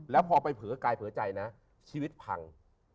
แล้วพอไปเผลอกายเผลอใจนะชีวิตพัง